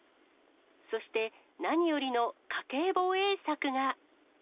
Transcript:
そして、何よりの家計防衛策が。